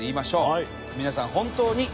皆さん本当に。